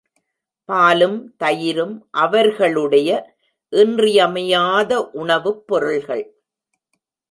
பாலும் தயிரும் அவர்களுடைய இன்றியமையாத உணவுப் பொருள்கள்.